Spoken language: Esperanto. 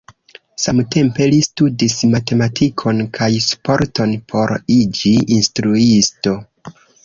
Samtempe li studis matematikon kaj sporton por iĝi instruisto.